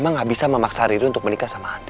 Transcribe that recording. mama gak bisa memaksa riru untuk menikah sama andi